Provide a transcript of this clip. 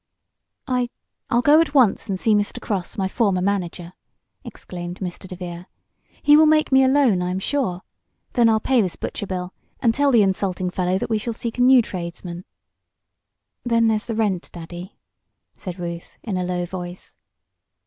"I I'll go at once and see Mr. Cross, my former manager," exclaimed Mr. DeVere. "He will make me a loan, I'm sure. Then I'll pay this butcher bill, and tell the insulting fellow that we shall seek a new tradesman." "Then there's the rent, Daddy," said Ruth, in a low voice.